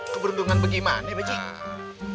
keberuntungan bagaimana pak haji